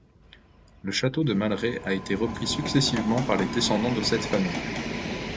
Le château de Malleret a été repris successivement par les descendants de cette famille.